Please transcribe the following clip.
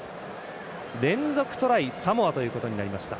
連続トライ、サモアということになりました。